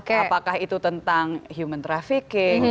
apakah itu tentang human trafficking